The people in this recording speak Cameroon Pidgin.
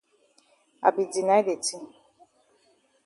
I be deny de tin.